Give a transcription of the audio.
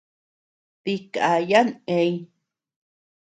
Dikayan eñ.